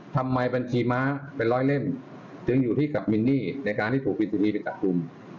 บัญชีม้าเป็นร้อยเล่มจึงอยู่ที่กับมินนี่ในการที่ถูกปิสุนีไปจับกลุ่ม